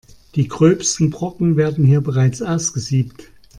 Die gröbsten Brocken werden hier bereits ausgesiebt.